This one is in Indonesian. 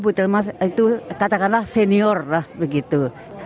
bu tilma itu katakanlah senior lah begitu